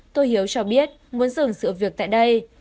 tôi hiếu cho biết muốn dừng sự việc tại đây